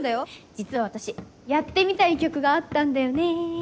実は私やってみたい曲があったんだよね。